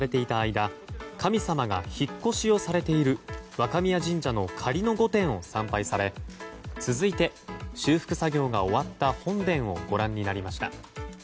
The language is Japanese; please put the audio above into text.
間神様が引っ越しをされている若宮神社の仮の御殿を参拝され続いて、修復作業が終わった本殿をご覧になりました。